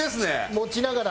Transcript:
持ちながら。